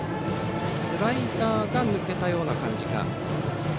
スライダーが抜けたような感じか。